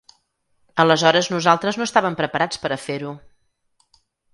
Aleshores nosaltres no estàvem preparats per a fer-ho.